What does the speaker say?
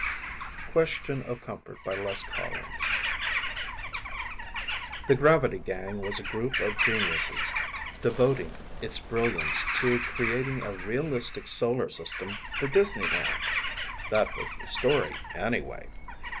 net QUESTION OF COMFORT By LES COLLINS _The Gravity Gang was a group of geniuses devoting its brilliance to creating a realistic Solar System for Disneyland. That was the story, anyway.